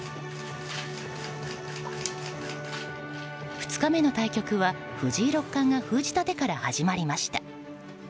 ２日目の対局は藤井六冠が封じた手から始まりました。